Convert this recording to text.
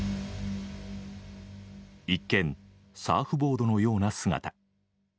一見サーフボードのような姿。